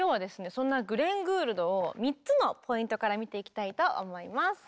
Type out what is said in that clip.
そんなグレン・グールドを３つのポイントから見ていきたいと思います。